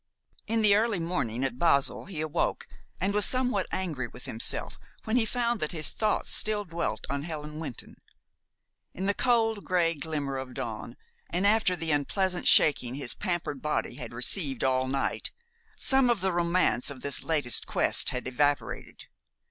In the early morning, at Basle, he awoke, and was somewhat angry with himself when he found that his thoughts still dwelt on Helen Wynton. In the cold gray glimmer of dawn, and after the unpleasant shaking his pampered body had received all night, some of the romance of this latest quest had evaporated.